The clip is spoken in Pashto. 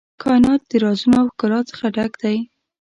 کائنات د رازونو او ښکلا څخه ډک دی.